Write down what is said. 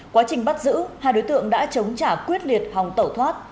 quá trình bắt giữ hai đối tượng đã chống trả quyết liệt hòng tẩu thoát